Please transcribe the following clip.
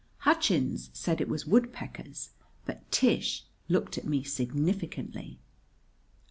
Hutchins said it was woodpeckers; but Tish looked at me significantly.